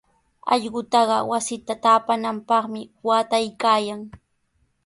Allqutaqa wasita taapananpaqmi waataykaayan.